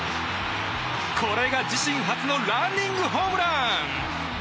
これが自身初のランニングホームラン！